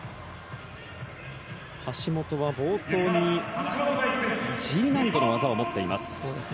橋本は冒頭にＧ難度の技を持っています。